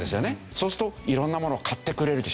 そうするといろんなものを買ってくれるでしょ。